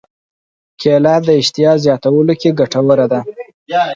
کېله د اشتها زیاتولو کې ګټوره ده.